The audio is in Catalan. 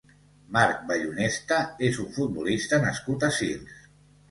Marc Vallhonesta és un futbolista nascut a Sils.